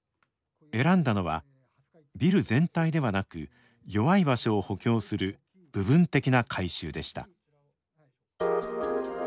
選んだのはビル全体ではなく弱い場所を補強する部分的な改修でした。